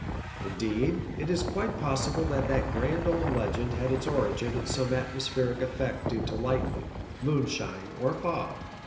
Indeed, it is quite possible that that grand old legend had its origin in some atmospheric effect due to light ning, moonshine, or fog.